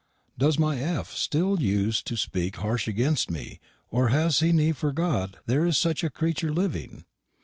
Does my F. stil use to speke harsh agenst me, or has he ni forgott their is sech a creetur living?